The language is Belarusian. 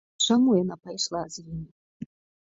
Чаму яна пайшла з імі?